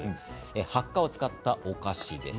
ハッカを使ったお菓子です。